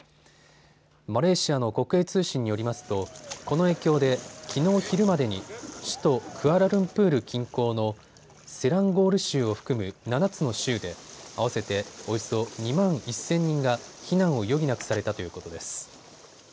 マレーシアの国営通信によりますとこの影響できのう昼までに首都クアラルンプール近郊のセランゴール州を含む７つの州で合わせておよそ２万１０００人が避難を余儀なくされたということです。